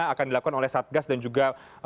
akan dilakukan oleh satgas dan juga